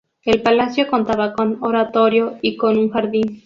El palacio contaba con oratorio y con un jardín.